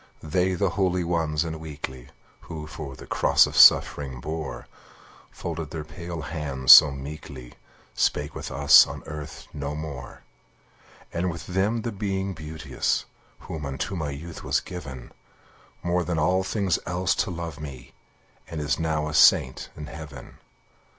They, the holy ones and weakly, Who the cross of suffering bore, Folded their pale hands so meekly, Spake with us on earth no more! And with them the Being Beauteous, Who unto my youth was given, More than all things else to love me, And is now a saint in heaven.